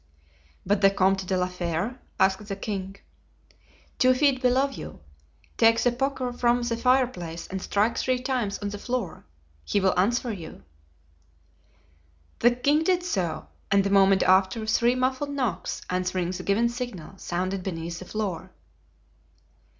"But the Comte de la Fere?" asked the king. "Two feet below you; take the poker from the fireplace and strike three times on the floor. He will answer you." The king did so, and the moment after, three muffled knocks, answering the given signal, sounded beneath the floor.